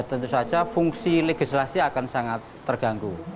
tentu saja fungsi legislasi akan sangat terganggu